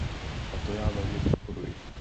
A to já velmi podporuji.